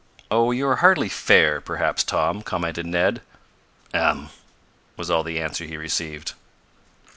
"Oh, you are hardly fair, perhaps, Tom," commented Ned. "Um!" was all the answer he received.